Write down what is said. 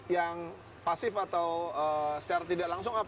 yang pasif atau secara tidak langsung